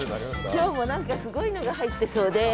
今日も何かすごいのが入ってそうです。